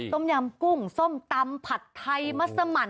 ต้มยำกุ้งส้มตำผัดไทยมัสมัน